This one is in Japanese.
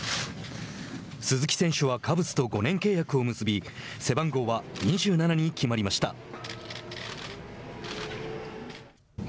鈴木選手はカブスと５年契約を結び背番号は２７に決まりました。